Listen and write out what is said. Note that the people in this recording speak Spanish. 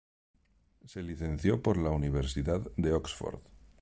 Se licenció por la Universidad de Oxford.